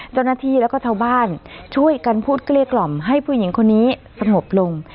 เจ้าหน้าที่แล้วก็ชาวบ้านช่วยกันพูดเกลี้ยกล่อมให้ผู้หญิงคนนี้สงบลง